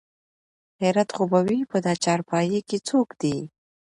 خېرت خو به وي په دا چارپايي کې څوک دي?